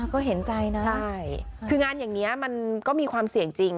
ก็เห็นใจนะใช่คืองานอย่างนี้มันก็มีความเสี่ยงจริง